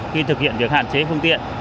khi thực hiện việc hạn chế phương tiện